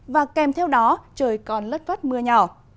và kèm theo đó trời còn lất vất mưa nhỏ